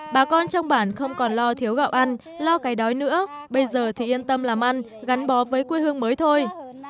bà con trong bản không còn lo thiếu gạo ăn lo cái đói nữa bây giờ thì yên tâm làm ăn gắn bó với quê hương mới thôi